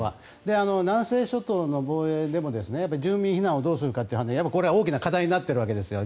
南西諸島の防衛でも住民避難をどうするかってこれは大きな課題になっているわけですよ。